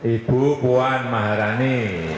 ibu puan maharani